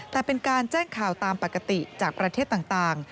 แต่เป็นการแจ้งข่าวตามปกติจากประเทศต่าง